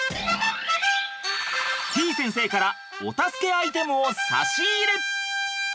先生からお助けアイテムを差し入れ！